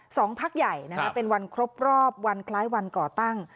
พักใหญ่เป็นวันครบรอบวันคล้ายวันก่อตั้ง